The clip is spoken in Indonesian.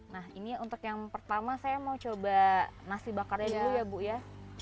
nah ini untuk yang pertama saya mau coba nasi bakarnya dulu ya bu ya